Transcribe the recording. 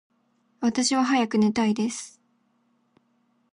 私は早く寝たいです。